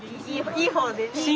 いい方です。